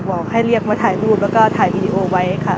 บอกให้เรียกมาถ่ายรูปแล้วก็ถ่ายวีดีโอไว้ค่ะ